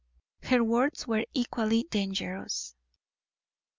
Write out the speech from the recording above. Her words were equally dangerous.